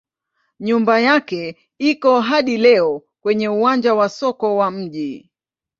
Nyumba yake iko hadi leo kwenye uwanja wa soko wa mji.